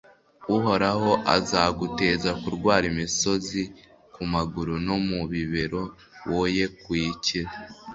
uhoraho azaguteza kurwara imisozi ku maguru no mu bibero, woye kuyikira: